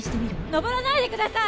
登らないでください！